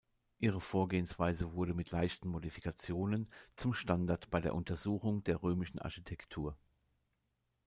Ihre Vorgehensweise wurde, mit leichten Modifikationen, zum Standard bei der Untersuchung der römischen Architektur.